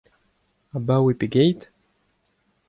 Abaoe pegeit ?